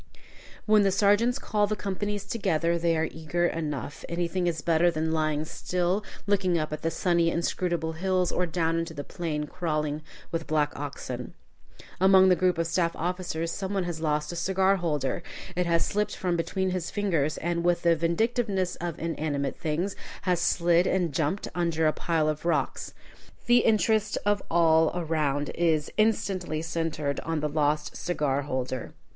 When the sergeants call the companies together, they are eager enough. Anything is better than lying still looking up at the sunny, inscrutable hills, or down into the plain crawling with black oxen. Among the group of staff officers some one has lost a cigar holder. It has slipped from between his fingers, and, with the vindictiveness of inanimate things, has slid and jumped under a pile of rocks. The interest of all around is instantly centred on the lost cigar holder.